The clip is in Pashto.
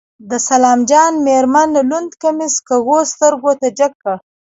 د سلام جان مېرمن لوند کميس کږو سترګو ته جګ کړ.